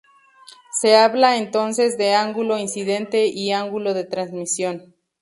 Se habla, entonces, de ángulo incidente y ángulo de transmisión.